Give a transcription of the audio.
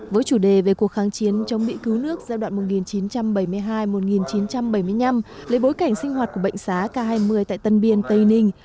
với chủ đề về cuộc kháng chiến chống mỹ cứu nước giai đoạn một nghìn chín trăm bảy mươi hai một nghìn chín trăm bảy mươi năm lấy bối cảnh sinh hoạt của bệnh xá k hai mươi tại tân biên tây ninh